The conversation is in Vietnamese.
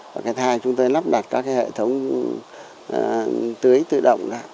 và cái thai chúng tôi lắp đặt các hệ thống tưới tự động